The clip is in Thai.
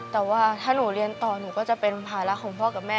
แต่ว่าถ้าหนูเรียนต่อหนูก็จะเป็นภาระของพ่อกับแม่